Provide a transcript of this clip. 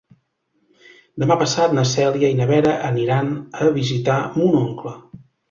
Demà passat na Cèlia i na Vera aniran a visitar mon oncle.